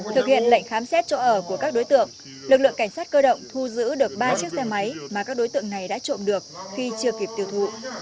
thực hiện lệnh khám xét chỗ ở của các đối tượng lực lượng cảnh sát cơ động thu giữ được ba chiếc xe máy mà các đối tượng này đã trộm được khi chưa kịp tiêu thụ